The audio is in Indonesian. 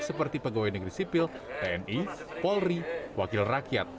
seperti pegawai negeri sipil tni polri wakil rakyat